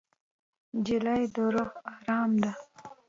نجلۍ د روح ارام ده.